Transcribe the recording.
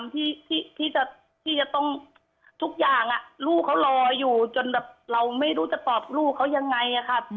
ที่จะต้องทุกอย่างลูกเขารออยู่จนแบบเราไม่รู้จะตอบลูกเขายังไงค่ะ